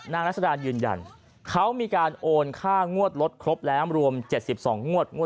นางนักสถานยืนยันเขามีการโอนค่างวดรถครบแล้วรวมเจ็ดสิบสองงวดงวด